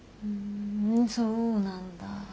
ふんそうなんだ。